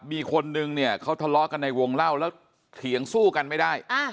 มีคนนึงเนี่ยเขาทะเลาะกันในวงเล่าแล้วเถียงสู้กันไม่ได้